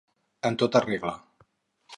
En tota regla.